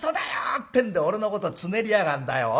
ってんで俺のことをつねりやがんだよおい。